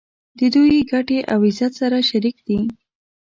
د دوی ګټې او عزت سره شریک دي.